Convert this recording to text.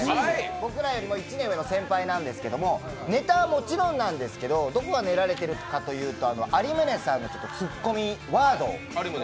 僕らよりも１年上の先輩なんですけど、ネタはもちろんなんですけどどこが練られているかというと有宗さんのツッコミワード。